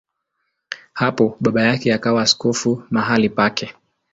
Hapo baba yake akawa askofu mahali pake.